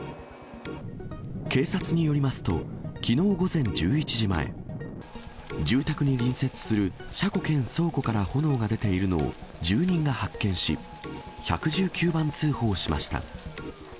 警察によりますと、きのう午前１１時前、住宅に隣接する車庫兼倉庫から炎が出ているのを住人が発見し、１１９番通報しました。